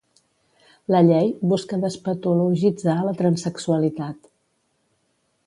La llei busca despatologitzar la transsexualitat.